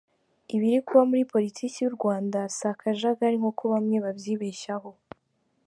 Ibiri kuba muri politiki y’u Rwanda si akajagari nk’uko bamwe babyibeshyaho !